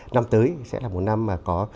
năm tới sẽ là một năm mà có